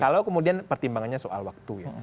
kalau kemudian pertimbangannya soal waktu ya